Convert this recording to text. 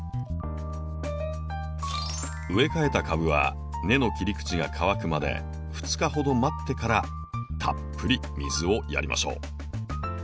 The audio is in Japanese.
植え替えた株は根の切り口が乾くまで２日ほど待ってからたっぷり水をやりましょう。